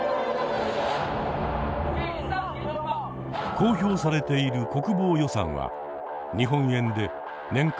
公表されている国防予算は日本円で年間